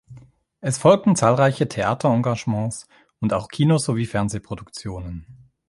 Es folgten zahlreiche Theaterengagements und auch Kino- sowie Fernsehproduktionen.